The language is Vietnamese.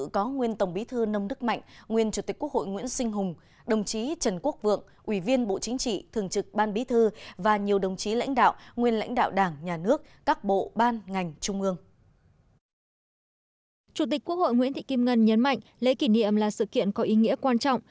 chủ tịch quốc hội nguyễn thị kim ngân nhấn mạnh lễ kỷ niệm là sự kiện có ý nghĩa quan trọng